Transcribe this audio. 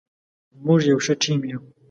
موږ یو ښه ټیم یو.